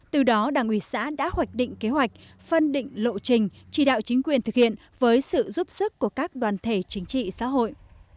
từ đó đảng ủy xã đã hoạch định kế hoạch phân định lộ trình chỉ đạo chính quyền thực hiện với sự giúp sức của các đoàn thể chính trị xã hội